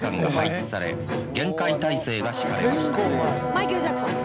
「マイケル・ジャクソン」